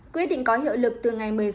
quyết định có hiệu lực từ ngày một mươi sáu h